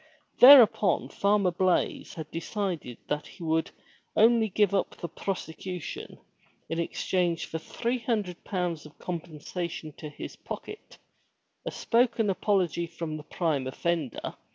Thereupon Farmer Blaize had decided that he would only give up the prosecution in exchange for three hundred pounds compensation to his pocket, a spoken apology from the prime offender.